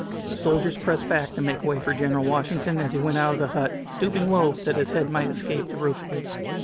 The soldiers pressed back to make way for General Washington as he went out of the hut, stooping low that his head might escape the roof beams.